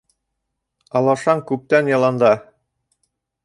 Алашаң күптән яланда.